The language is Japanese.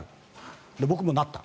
僕もなった。